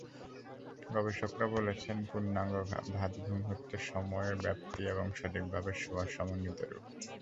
গবেষকেরা বলছেন, পূর্ণাঙ্গ ভাতঘুম হচ্ছে সময়, ব্যাপ্তি এবং সঠিকভাবে শোয়ার সমন্বিত রূপ।